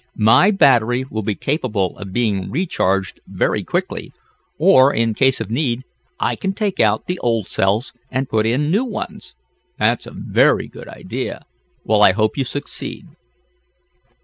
My battery will be capable of being recharged very quickly, or, in case of need, I can take out the old cells and put in new ones. "That's a very good idea. Well, I hope you succeed."